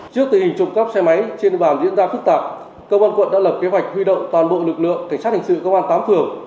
trước tình hình trộm cắp xe máy trên địa bàn diễn ra phức tạp công an quận đã lập kế hoạch huy động toàn bộ lực lượng cảnh sát hình sự công an tám phường